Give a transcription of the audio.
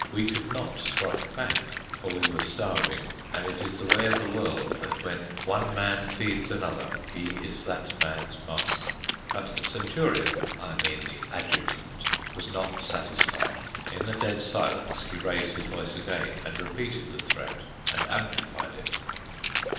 We could not strike back, for we were starving; and it is the way of the world that when one man feeds another he is that man's master. But the centurion—I mean the adjutant—was not satisfied. In the dead silence he raised his voice again, and repeated the threat, and amplified it.